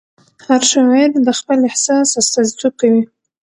هر شاعر د خپل احساس استازیتوب کوي.